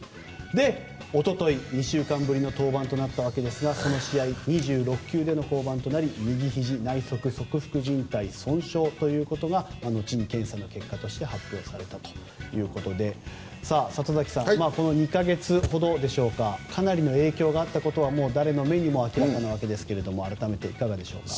で、おととい２週間ぶりの投球となったわけですがその試合、２６球での降板となり右ひじ内側側副じん帯損傷ということが後に検査の結果として発表されたということで里崎さんこの２か月ほどでしょうかかなりの影響があったことは誰の目にも明らかなわけですが改めて、いかがでしょうか。